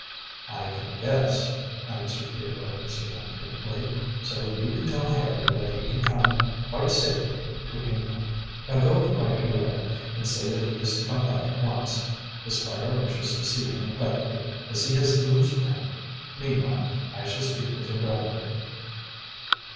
"I can guess," answered Theodore significantly, "so you can tell Harry that he can come quite safely to England. Now go and write your letter, and say that he is to come back at once. The Squire wishes to see him at Beckleigh, as he has news for him. Meanwhile, I shall speak with your grandmother."